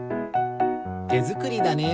てづくりだね。